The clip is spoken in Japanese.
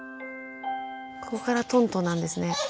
ここからトントンなんですね。